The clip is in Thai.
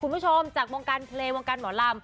คุณผู้ชมจากวงการเพลงวงการหมอลำ